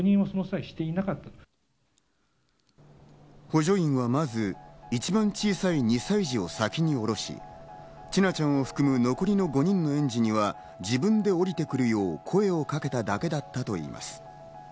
補助員はまず、一番小さい２歳児を先に降ろし、千奈ちゃんを含む残りの５人の園児には自分で降りてくるよう声をかけただけだったといいます。